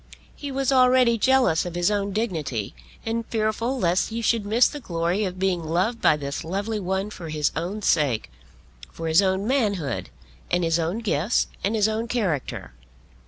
He was already jealous of his own dignity, and fearful lest he should miss the glory of being loved by this lovely one for his own sake, for his own manhood, and his own gifts and his own character.